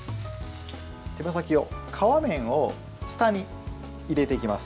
手羽先は皮面を下に入れていきます。